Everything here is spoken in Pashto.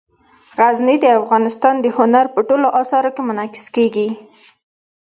غزني د افغانستان د هنر په ټولو اثارو کې منعکس کېږي.